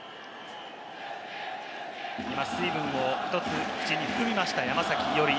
今、水分を一つ口に含みました、山崎伊織。